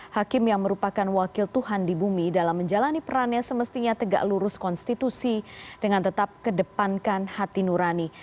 hakim yang merupakan wakil tuhan di bumi dalam menjalani perannya semestinya tegak lurus konstitusi dengan tetap kedepankan hati nurani